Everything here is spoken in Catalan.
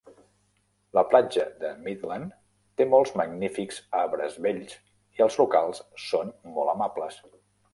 La platja de Midland té molts magnífics arbres vells i els locals són molt amables.